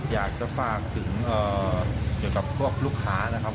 อยากจะฝากพวกลูกค้านะครับ